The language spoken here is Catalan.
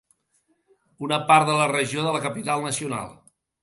Una part de la regió de la capital nacional.